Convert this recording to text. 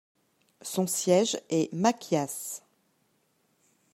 Son siège est Machias.